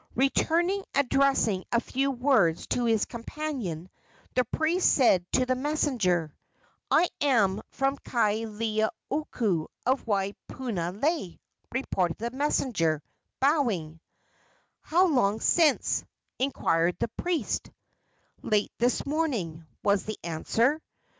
Returning and addressing a few words to his companion, the priest said to the messenger: "You are from Kaoleioku, of Waipunalei." "I am from Kaoleioku, of Waipunalei," repeated the messenger, bowing. "How long since?" inquired the priest. "Late this morning," was the answer.